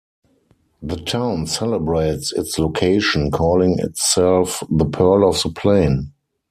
The town celebrates its location, calling itself "The pearl of the plain".